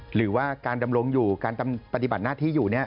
หรือว่าการดำรงอยู่การปฏิบัติหน้าที่อยู่